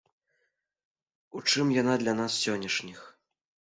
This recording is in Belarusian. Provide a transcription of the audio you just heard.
У чым яна для нас сённяшніх?